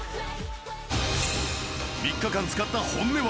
３日間使った本音は？